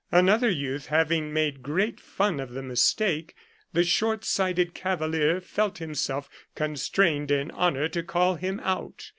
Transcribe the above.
Another youth having made great fun of the mistake, the short sighted cavalier felt himself constrained in honour to call him out.